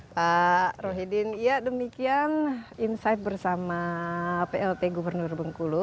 pak rohi din ya demikian insight bersama plt gubernur bungkulu